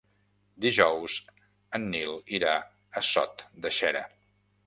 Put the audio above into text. Dijous en Nil irà a Sot de Xera.